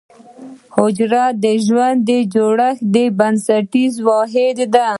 حجره د ژوند د جوړښت بنسټیز واحد دی